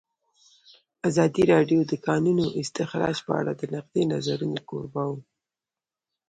ازادي راډیو د د کانونو استخراج په اړه د نقدي نظرونو کوربه وه.